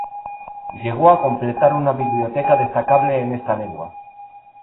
Llegó a completar una biblioteca destacable en esta lengua.